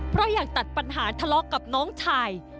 เพราะอยากตัดปัญหาทะเลาะกับน้องชาย